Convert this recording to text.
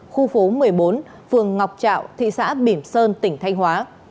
khu phố một mươi bốn phường ngọc trạo thị xã bỉm sơn tỉnh thanh hóa